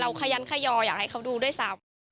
ขยันขยออยากให้เขาดูด้วยซ้ำ